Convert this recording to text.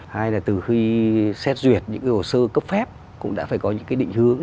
hai là từ khi xét duyệt những cái hồ sơ cấp phép cũng đã phải có những cái định hướng